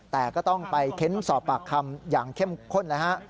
แต่ก็ต้องไปเค้นสอบปากคำอย่างเข้มข้นแล้วฮะ